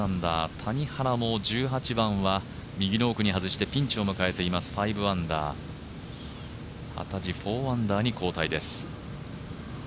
谷原も１８番は右の奥に外してピンチを迎えています、５アンダー幡地、４アンダーに後退です。